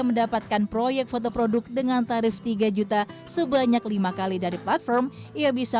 mendapatkan proyek fotoproduk dengan tarif tiga juta sebanyak lima kali dari platform ia bisa